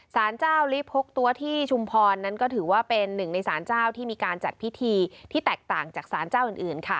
สารเจ้าลิพกตัวที่ชุมพรนั้นก็ถือว่าเป็นหนึ่งในสารเจ้าที่มีการจัดพิธีที่แตกต่างจากสารเจ้าอื่นค่ะ